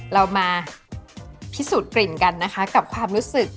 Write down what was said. เรามาพิสูจน์กลิ่นกันนะคะกับความรู้สึก